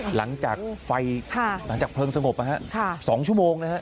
หลังจากไฟค่ะหลังจากเพลิงสมบนะฮะค่ะสองชั่วโมงนะฮะ